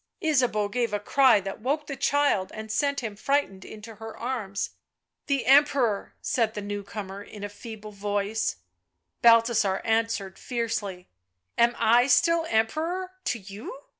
Ysabeau gave a cry that woke the child and sent him frightened into her arms. " The Emperor," said the new comer in a feeble voice. Balthasar answered fiercely :" Am I still Emperor to you